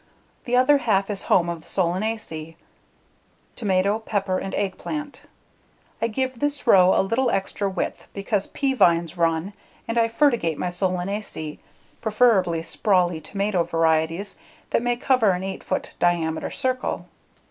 The other half is home to the Solanaceae: tomato, pepper, and eggplant. I give this row a little extra width because pea vines run, and I fertigate my Solanaceae, preferring sprawly tomato varieties that may cover an 8 foot diameter circle.